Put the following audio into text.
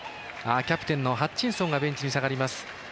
キャプテンのハッチンソンがベンチに下がります。